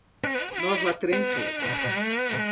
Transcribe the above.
Nova Trento